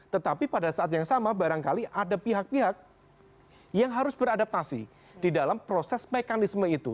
tetapi pada saat yang sama barangkali ada pihak pihak yang harus beradaptasi di dalam proses mekanisme itu